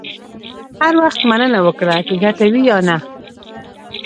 هر وخت مننه وکړه، که ګټه وي یا نه.